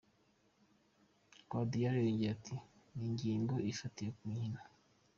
Guardiola yongeye ati: "Ni ingingo ifatiye ku nkino.